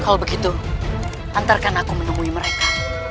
kalau begitu antarkan aku menemui mereka